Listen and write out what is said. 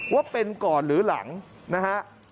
ว่าเป็นก่อนหรือหลังนะฮะ